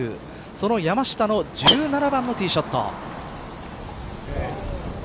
その山下の１７番のティーショット。